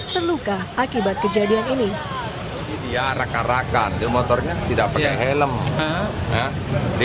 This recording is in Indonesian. terlukah akibat kejadian ini